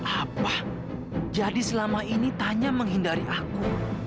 apa jadi selama ini tanya menghindari aku